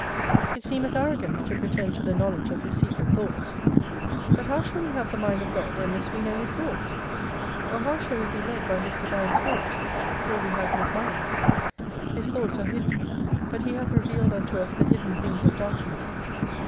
It seemeth arrogance to pretend to the knowledge of His secret thoughts. But how shall we have the Mind of God, unless we know His thoughts ? Or how shall we be led by His divine spirit, till we have His Mind ? His thoughts are hidden : but He hath revealed unto us the hidden Things of Darkness.